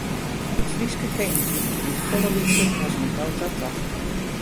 It Fryske keninkryk wie folle lytser as oant no ta tocht.